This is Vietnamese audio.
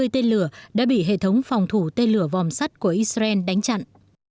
hai mươi tên lửa đã bị hệ thống phòng thủ tên lửa vòm sắt của israel đánh chặn